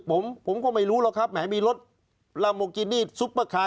ผมผมก็ไม่รู้หรอกครับแหมมีรถลาโมกินี่ซุปเปอร์คาร์